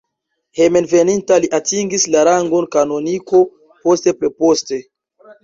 Hejmenveninta li atingis la rangon kanoniko, poste preposto.